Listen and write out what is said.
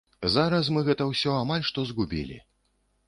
Зараз мы гэта ўсё амаль што згубілі.